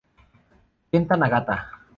Kenta Nagata